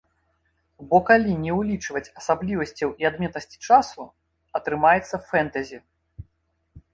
Бо калі не ўлічваць асаблівасцяў і адметнасці часу, атрымаецца фэнтэзі.